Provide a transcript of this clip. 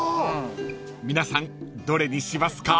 ［皆さんどれにしますか？］